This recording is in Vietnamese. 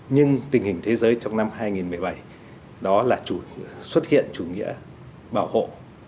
nhưng tình hình thế giới trong năm hai nghìn một mươi bảy đó là xuất hiện chủ nghĩa bảo hộ